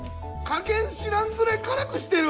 加減知らんぐらい辛くしてる！